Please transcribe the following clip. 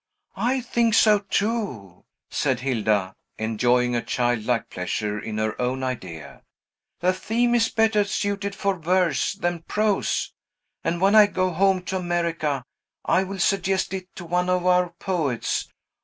"I think so too," said Hilda, enjoying a childlike pleasure in her own idea. "The theme is better suited for verse than prose; and when I go home to America, I will suggest it to one of our poets.